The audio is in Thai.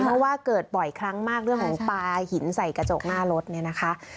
เพราะว่าเกิดบ่อยครั้งมากเรื่องของปลาหินใส่กระจกหน้ารถเนี่ยนะคะ